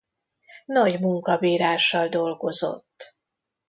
Nagy munkabírással dolgozott.